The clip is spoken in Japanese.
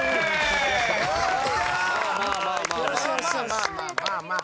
まあまあまあまあ。